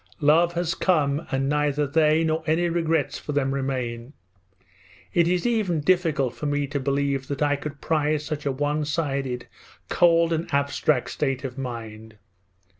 ... love has come and neither they nor any regrets for them remain! It is even difficult for me to believe that I could prize such a one sided, cold, and abstract state of mind.